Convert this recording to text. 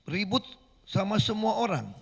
ribut sama semua orang